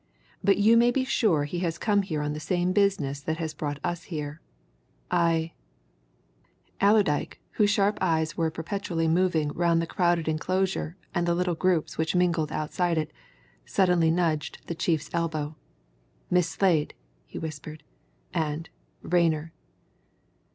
But you may be sure he has come here on the same business that has brought us here. I " Allerdyke, whose sharp eyes were perpetually moving round the crowded enclosure and the little groups which mingled outside it, suddenly nudged the chief's elbow. "Miss Slade!" he whispered. "And Rayner!"